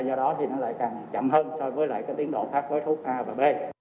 do đó thì nó lại càng chậm hơn so với lại tình huống